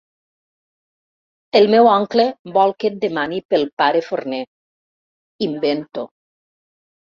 El meu oncle vol que et demani pel pare Forner —invento.